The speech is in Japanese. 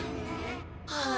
はあ。